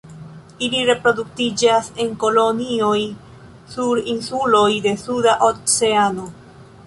Ili reproduktiĝas en kolonioj sur insuloj de Suda Oceano.